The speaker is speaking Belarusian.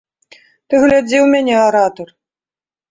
Ты глядзі ў мяне, аратар!